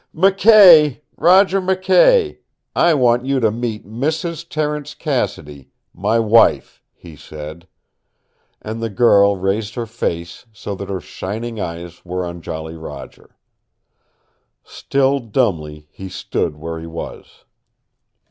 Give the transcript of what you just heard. "McKay, Roger McKay, I want you to meet Mrs. Terence Cassidy, my wife," he said. And the girl raised her face, so that her shining eyes were on Jolly Roger. Still dumbly he stood where he was.